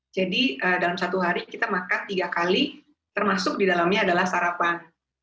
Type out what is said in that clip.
jadi dalam satu hari kita makan tiga kali termasuk di dalamnya adalah sarapan